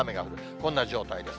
こんな状態です。